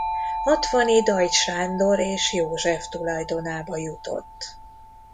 Hatvany-Deutsch Sándor és József tulajdonába jutott.